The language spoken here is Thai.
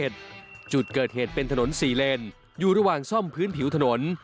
จุดเกิดเหตุเป็นถนน๔เลนอยู่ระหว่างซ่อมพื้นผิวถนน